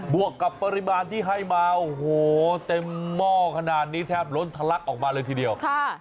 วกกับปริมาณที่ให้มาโอ้โหเต็มหม้อขนาดนี้แทบล้นทะลักออกมาเลยทีเดียว